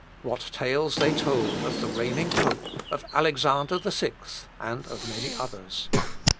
What tales they told of the reigning pope, of Alexander VI, and of many others!